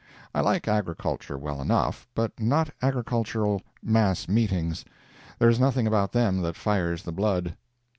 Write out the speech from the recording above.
I like agriculture well enough, but not agricultural mass meetings. There is nothing about them that fires the blood.